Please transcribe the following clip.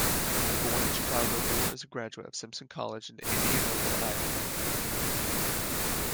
Born in Chicago, Orr is a graduate of Simpson College in Indianola, Iowa.